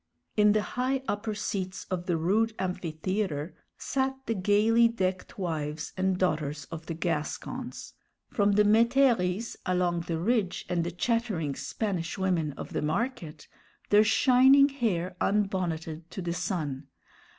In the high upper seats of the rude amphitheatre sat the gayly decked wives and daughters of the Gascons, from the métairies along the Ridge, and the chattering Spanish women of the Market, their shining hair unbonneted to the sun.